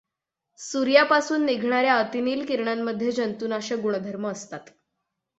सूर्यापासून निघणार् या अतिनील किरणांमध्ये जंतूनाशक गुणधर्म असतात.